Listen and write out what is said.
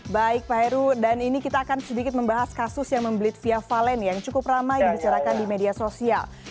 baik pak heru dan ini kita akan sedikit membahas kasus yang membelit fia valen yang cukup ramai dibicarakan di media sosial